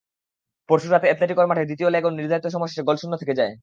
পরশু রাতে অ্যাটলেটিকোর মাঠে দ্বিতীয় লেগও নির্ধারিত সময় শেষে গোলশূন্য থেকে যায়।